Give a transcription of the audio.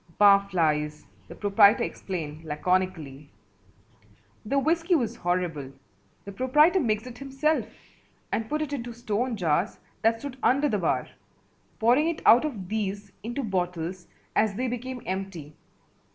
"Bar flies," the proprietor explained laconically. The whiskey was horrible. The proprietor mixed it himself and put it into stone jars that stood under the bar, pouring it out of these into bottles as they became empty.